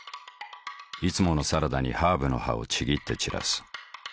いつものサラダにハーブの葉をちぎって散らす。